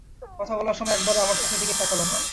কথা বলার সময় একবারও আমার চোখের দিকে তাকাল না।